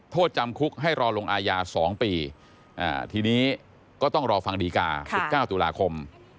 โทษจำคุกให้รอลงอาญา๒ปีทีนี้ก็ต้องรอฟังดีกา๑๙ตุลาคม